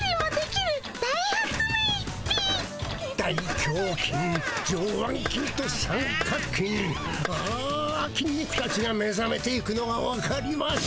きん肉たちが目ざめていくのがわかります。